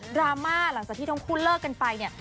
ราม่าหลังจากที่ทั้งคู่เลิกกันไปเนี่ย